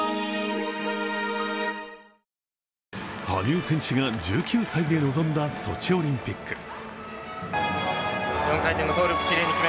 羽生選手が１９歳で臨んだソチオリンピック。